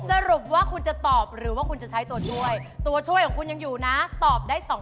ไอ้นิกกี้ผมเลือกไอซ์มาตั้งแต่ต้น